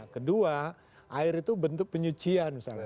kedua air itu bentuk penyucian misalnya